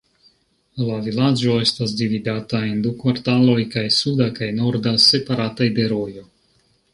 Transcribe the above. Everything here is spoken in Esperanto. La vilaĝo estas dividata en du kvartaloj, kaj suda kaj norda, separataj de rojo.